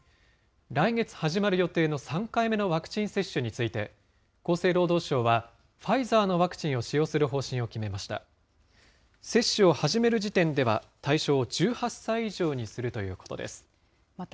来月始まる予定の３回目のワクチン接種について、厚生労働省は、ファイザーのワクチンを使用する方針を決めました。